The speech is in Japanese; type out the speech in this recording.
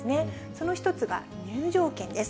その一つが入場券です。